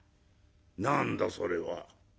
「何だそれは。